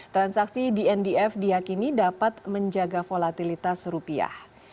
transaksi dndf diakini dapat menjaga volatilitas rupiah